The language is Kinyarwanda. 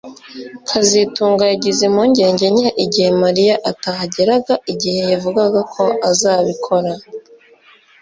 kazitunga yagize impungenge nke igihe Mariya atahageraga igihe yavugaga ko azabikora